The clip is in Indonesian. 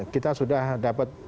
kita sudah dapat